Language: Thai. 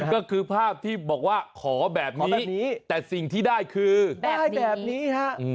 ก็คือภาพที่บอกว่าขอแบบนี้แต่สิ่งที่ได้คือได้แบบนี้ฮะ